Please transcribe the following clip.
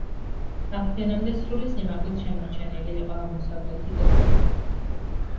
აღდგენამდე სრული სიმაღლით შემორჩენილი იყო აღმოსავლეთი კედელი.